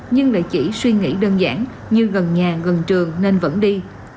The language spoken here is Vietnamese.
nhưng lại chỉ suy nghĩ đơn giản như gần nhà gần trường nên vẫn đi